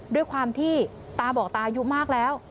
ด้วยความที่ตาบอกตาอายุมากแล้ว